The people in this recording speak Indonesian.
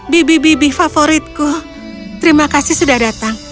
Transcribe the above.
bibi bibi favoritku terima kasih sudah datang